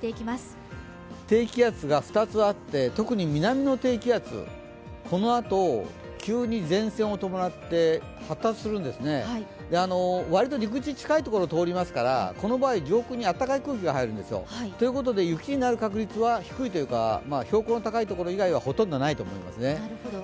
低気圧が２つあって特に南の低気圧、このあと、急に前線を伴って発達するんですね、割と陸地近いところを通りますからこの場合、上空に暖かい空気が入るんですよ。ということで雪になる確率は低いというか標高の高いところ以外はほとんどないと思います。